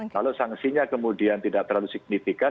kalau sanksinya kemudian tidak terlalu signifikan